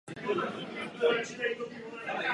Také proto jsem hlasoval proti.